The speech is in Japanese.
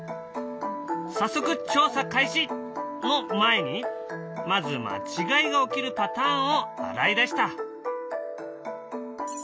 早速調査開始！の前にまず間違いが起きるパターンを洗い出した。